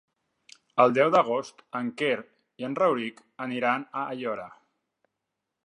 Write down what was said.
El deu d'agost en Quer i en Rauric aniran a Aiora.